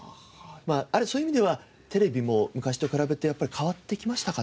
ある種そういう意味ではテレビも昔と比べてやっぱり変わってきましたかね？